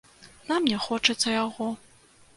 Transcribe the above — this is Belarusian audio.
Нам не хочацца яго.